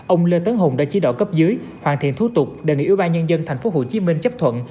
ông lê tấn hùng đã chỉ đạo cấp dưới hoàn thiện thủ tục đề nghị ủy ban nhân dân tp hcm chấp thuận